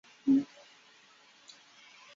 主机埠介面的沟通介面。